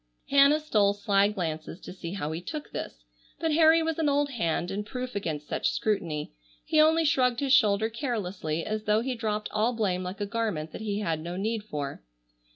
Hannah stole sly glances to see how he took this, but Harry was an old hand and proof against such scrutiny. He only shrugged his shoulder carelessly, as though he dropped all blame like a garment that he had no need for.